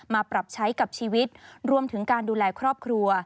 ปรับใช้กับชีวิตรวมถึงการดูแลครอบครัว